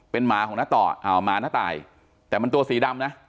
เป็นหมาของน้าต่ออ่าหมาน้าตายแต่มันตัวสีดำนะ